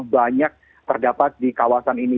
banyak terdapat di kawasan ini